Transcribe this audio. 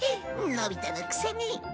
のび太のくせに。